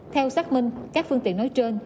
theo xác minh các phương tiện nói trên